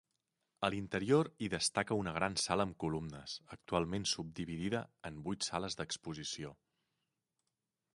A l'interior hi destaca una gran sala amb columnes, actualment subdividida en vuit sales d'exposició.